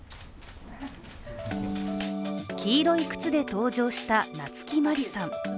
黄色い靴で登場した夏木マリさん。